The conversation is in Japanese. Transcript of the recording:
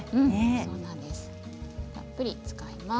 たっぷり使います。